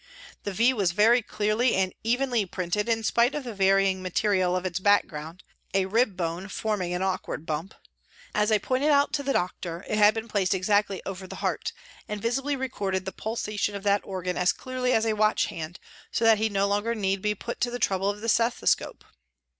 The V was very clearly and evenly printed in spite of the varying material of its back ground, a rib bone forming an awkward bump. As I pointed out to the doctor, it had been placed exactly over the heart, and visibly recorded the pulsation of that organ as clearly as a watch hand, so that he no longer need be put to the trouble of the stethoscope.